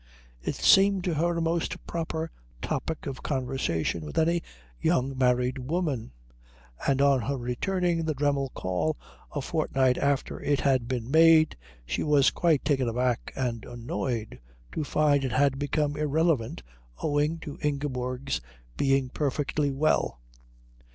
It seemed to her a most proper topic of conversation with any young married woman; and on her returning the Dremmel call a fortnight after it had been made she was quite taken aback and annoyed to find it had become irrelevant owing to Ingeborg's being perfectly well.